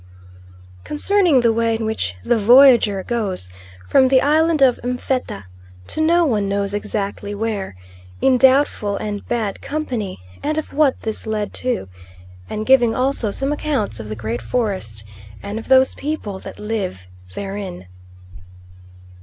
Concerning the way in which the voyager goes from the island of M'fetta to no one knows exactly where, in doubtful and bad company, and of what this led to and giving also some accounts of the Great Forest and of those people that live therein.